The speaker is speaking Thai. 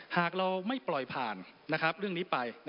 หากเราไม่ปล่อยผ่านเรื่องนี้ไป